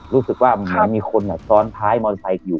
รู้สึกว่าเหมือนมีคนซ้อนท้ายมอเตอร์ไซค์อยู่